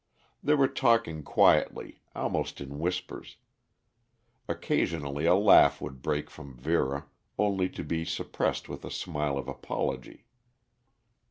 They were talking quietly, almost in whispers. Occasionally a laugh would break from Vera, only to be suppressed with a smile of apology.